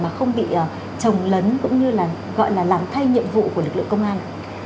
mà không bị trồng lấn cũng như là gọi là làm thay nhiệm vụ của lực lượng công an